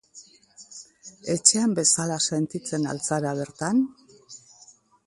Etxean bezala sentitzen al zara bertan?